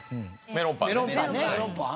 メロンパンね。